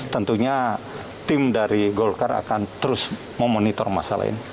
tentunya tim dari golkar akan terus memonitor masalah ini